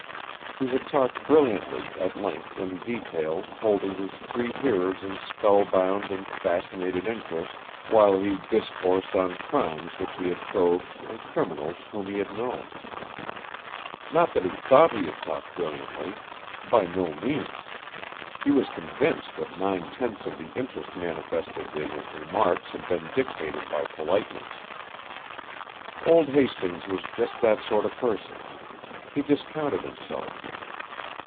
He had talked brilliantly, at length, in detail, holding his three hearers in spellbound and fascinated interest while he discoursed on crimes which he had probed and criminals whom he had known. Not that he thought he had talked brilliantly! By no means! He was convinced that nine tenths of the interest manifested in his remarks had been dictated by politeness. Old Hastings was just that sort of person; he discounted himself.